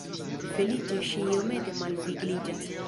Feliĉe ŝi iomete malvigliĝas.